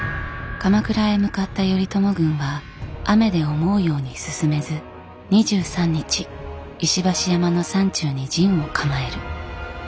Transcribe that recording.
鎌倉へ向かった頼朝軍は雨で思うように進めず２３日石橋山の山中に陣を構える。